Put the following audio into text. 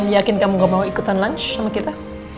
yakin kamu gak mau ikutan lunch sama kita